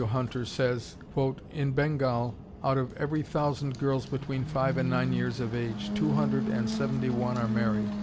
Hunter says, "In Bengal, out of every thousand girls between five and nine years of age, two hundred and seventy one are married.